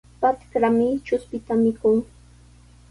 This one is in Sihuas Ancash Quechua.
Patrkami chuspita mikun.